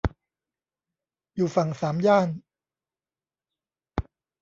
อยู่ฝั่งสามย่าน